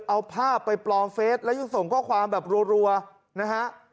เอาภาพไปปลอมเฟสแล้วยังส่งข้อความแบบรัวนะฮะ